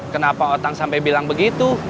kenapa otak sampai bilang begitu